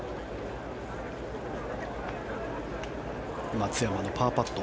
松山のパーパット。